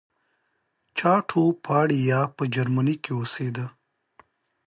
چاټوپاړیا په جرمني کې اوسېدی.